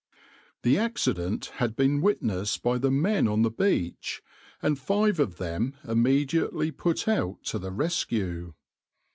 \par The accident had been witnessed by the men on the beach, and five of them immediately put out to the rescue.